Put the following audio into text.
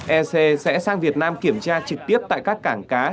ec sẽ sang việt nam kiểm tra trực tiếp tại các cảng cá